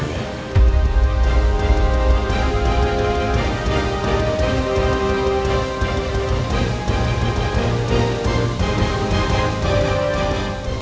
aku sudah selesai